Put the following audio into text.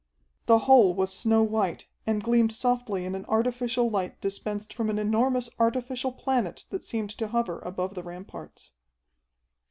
The whole was snow white, and gleamed softly in an artificial light dispensed from an enormous artificial planet that seemed to hover above the ramparts.